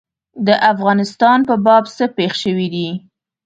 د افغانستان په باب څه پېښ شوي دي.